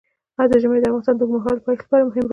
ژمی د افغانستان د اوږدمهاله پایښت لپاره مهم رول لري.